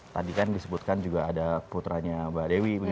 tadi kan disebutkan juga ada bentuk bentuk yang berbeda dengan saya gitu ya